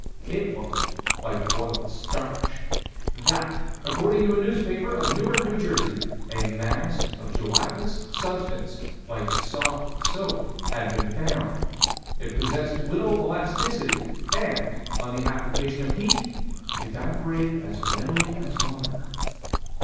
It looked like boiled starch: That, according to a newspaper, of Newark, N.J., a mass of gelatinous substance, like soft soap, had been found. "It possessed little elasticity, and, on the application of heat, it evaporated as readily as water."